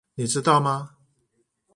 你知道嗎？